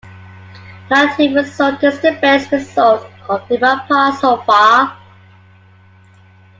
Niathu resort is the best resort in Dimapur so far.